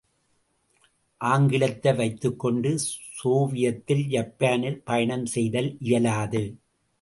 ஆங்கிலத்தை வைத்துக்கொண்டு சோவியத்தில், ஜப்பானில் பயணம் செய்தல் இயலாது.